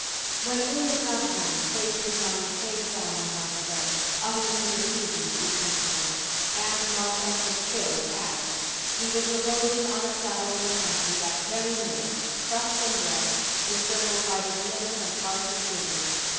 When Una got home Faith was lying face downwards on her bed, utterly refusing to be comforted. Aunt Martha had killed Adam. He was reposing on a platter in the pantry that very minute, trussed and dressed, encircled by his liver and heart and gizzard.